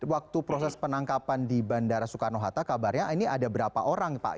waktu proses penangkapan di bandara soekarno hatta kabarnya ini ada berapa orang pak